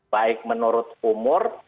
baik menurut umur